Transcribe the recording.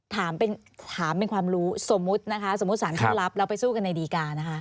ถามเป็นความรู้สมมุตินะคะสมมุติสารท่านรับแล้วไปสู้กันในดีการนะคะ